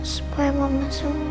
supaya mama sembuh